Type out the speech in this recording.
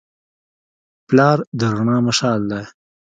پلار د رڼا مشعل دی.